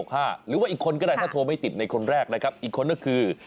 หรือว่าอีกคนก็ได้ถ้าโทรไม่ติดในคนแรกนะครับอีกคนก็คือ